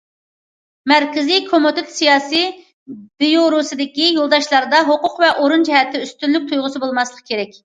مەركىزىي كومىتېت سىياسىي بىيۇروسىدىكى يولداشلاردا ھوقۇق ۋە ئورۇن جەھەتتىكى ئۈستۈنلۈك تۇيغۇسى بولماسلىقى كېرەك.